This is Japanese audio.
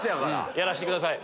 やらしてください。